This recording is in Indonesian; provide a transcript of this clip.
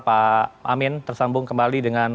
pak amin tersambung kembali dengan